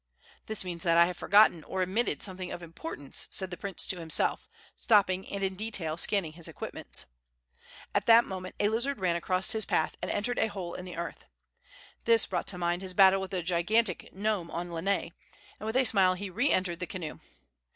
"This means that I have forgotten or omitted something of importance," said the prince to himself, stopping and in detail scanning his equipments. At that moment a lizard ran across his path and entered a hole in the earth. This brought to mind his battle with the gigantic gnome on Lanai, and with a smile he re entered the canoe.